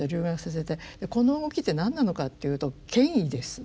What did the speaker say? この動きって何なのかっていうと「権威」です。